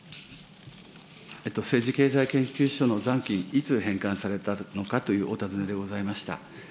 政治経済研究所の残金、いつ返還されたのかというお尋ねでございました。